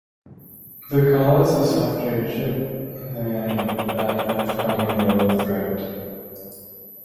The call is a softer "jip" than that of common yellowthoat.